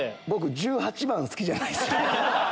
僕１８番好きじゃないですか。